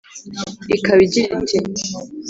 ikaba igira iti